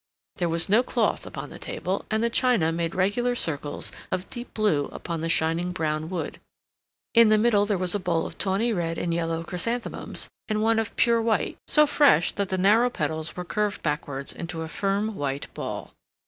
There was no cloth upon the table, and the china made regular circles of deep blue upon the shining brown wood. In the middle there was a bowl of tawny red and yellow chrysanthemums, and one of pure white, so fresh that the narrow petals were curved backwards into a firm white ball.